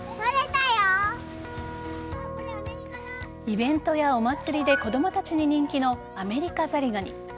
イベントやお祭りで子供たちに人気のアメリカザリガニ。